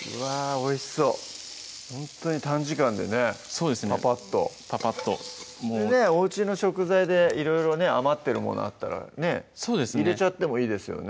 おいしそうほんとに短時間でねぱぱっとぱぱっとおうちの食材でいろいろね余ってるものあったらねぇ入れちゃってもいいですよね